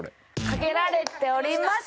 かけられております！